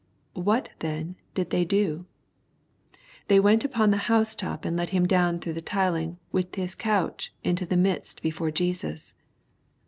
What, then, did they do ?" They went upon the house top, and let him down through the tiling, with his couch^ into the midst before Jesus."